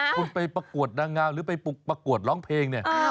คุณไปประกวดนางงามหรือไปประกวดร้องเพลงเนี่ย